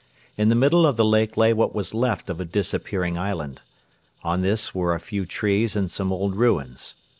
In the middle of the lake lay what was left of a disappearing island. On this were a few trees and some old ruins.